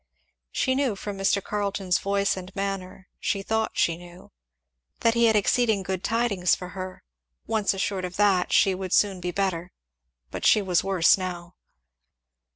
She knew from Mr. Carleton's voice and manner, she thought she knew, that he had exceeding good tidings for her; once assured of that she would soon be better; but she was worse now.